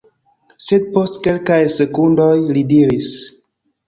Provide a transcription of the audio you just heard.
Sed post kelkaj sekundoj li diris: